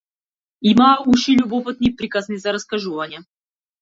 Имаа уши љубопитни и приказни за раскажување.